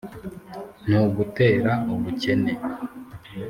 Ntugutera ubukene!